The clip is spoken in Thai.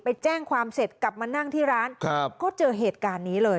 ไปแจ้งความเสร็จกลับมานั่งที่ร้านครับก็เจอเหตุการณ์นี้เลย